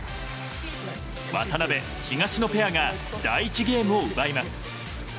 渡辺、東野ペアが第１ゲームを奪います。